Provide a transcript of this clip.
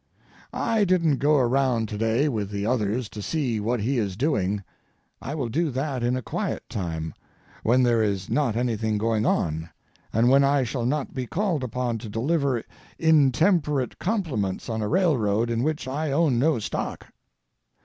I didn't go around to day with the others to see what he is doing. I will do that in a quiet time, when there is not anything going on, and when I shall not be called upon to deliver intemperate compliments on a railroad in which I own no stock.